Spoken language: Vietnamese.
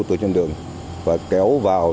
từ trên đường và kéo vào